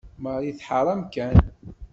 Marie tḥeṛṛ amkan.